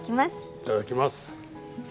いただきます。